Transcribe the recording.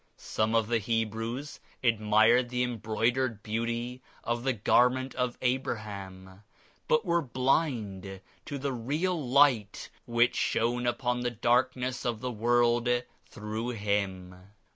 Some of the Hebrews admired the embroidered beauty of the garment of Abraham but were blind to the Real Light which shone upon the darkness of the world through Him.